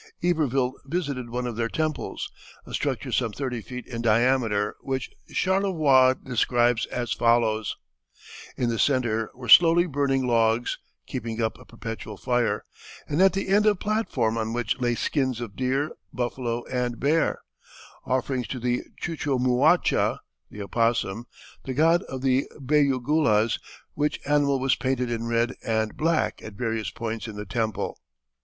Iberville visited one of their temples, a structure some thirty feet in diameter, which Charlevoix describes as follows: "In the centre were slowly burning logs (keeping up a perpetual fire), and at the end a platform on which lay skins of deer, buffalo, and bear, offerings to the Chouchouacha (the opossum), the god of the Bayougoulas, which animal was painted in red and black at various points in the temple.